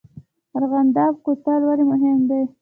ارغنده کوتل ولې مهم دی؟